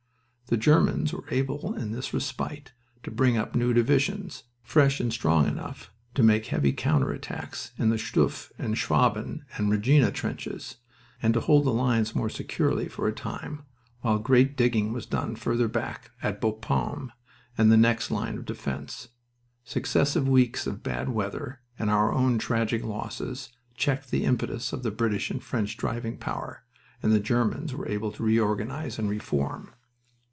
The Germans were able in this respite to bring up new divisions, fresh and strong enough to make heavy counter attacks in the Stuff and Schwaben and Regina trenches, and to hold the lines more securely for a time, while great digging was done farther back at Bapaume and the next line of defense. Successive weeks of bad weather and our own tragic losses checked the impetus of the British and French driving power, and the Germans were able to reorganize and reform.